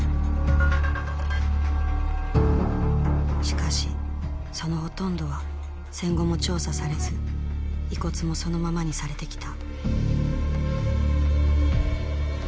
しかしそのほとんどは戦後も調査されず遺骨もそのままにされてきた。